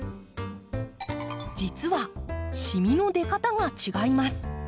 実はしみの出方が違います。